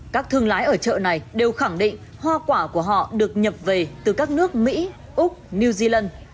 các thương lái ở chợ này đều khẳng định hoa quả của họ được nhập về từ các nước mỹ úc new zealand